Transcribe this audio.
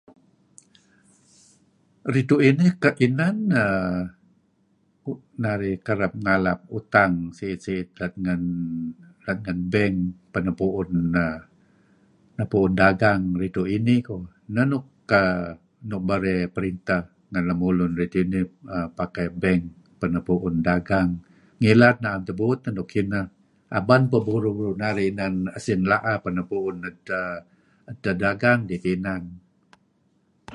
rechu inih ken inan um narih kereb ngalap utang siit siit let ngen let ngen bank peh nepuun nepuun dagang rechu inih ku neh nuk um nuk bere peritah ngen lemulun rechu inih pakai bank penepuun dagang ngilad naam tebut teh nuk kineh aban teh burur burur narih inan usin laah penepuun acha dagang dih teh inan